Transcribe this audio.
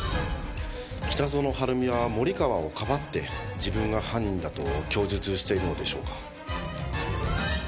北園晴美は森川をかばって自分が犯人だと供述しているのでしょうか？